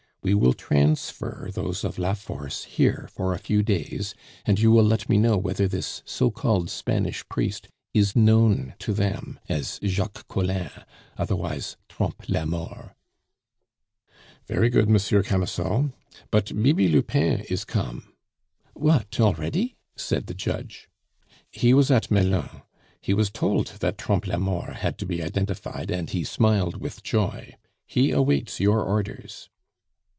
We will transfer those of La Force here for a few days, and you will let me know whether this so called Spanish priest is known to them as Jacques Collin, otherwise Trompe la Mort." "Very good, Monsieur Camusot. But Bibi Lupin is come..." "What, already?" said the judge. "He was at Melun. He was told that Trompe la Mort had to be identified, and he smiled with joy. He awaits your orders."